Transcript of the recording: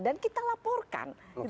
dan kita laporkan